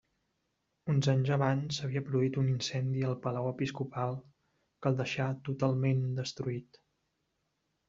Uns anys abans s'havia produït un incendi al palau episcopal, que el deixà totalment destruït.